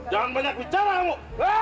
jangan banyak bicara kamu